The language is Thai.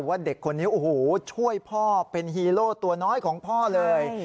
ว่าเด็กคนนี้โอ้โหช่วยพ่อเป็นฮีโร่ตัวน้อยของพ่อเลย